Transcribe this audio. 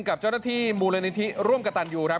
กับเจ้าหน้าที่มูลนิธิร่วมกับตันยูครับ